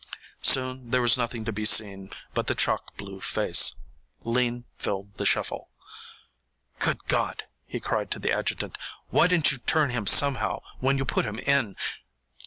Soon there was nothing to be seen but the chalk blue face. Lean filled the shovel. "Good God," he cried to the adjutant. "Why didn't you turn him somehow when you put him in?